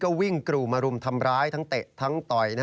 ก็วิ่งกรูมารุมทำร้ายทั้งเตะทั้งต่อย